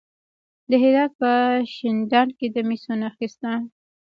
د هرات په شینډنډ کې د مسو نښې شته.